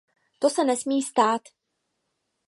To se nesmí stát!